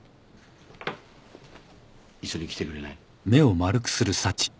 一緒に来てくれない？